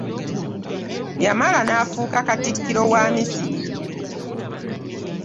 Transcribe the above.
Yamala nafuuka Kattikiro wa Misiri .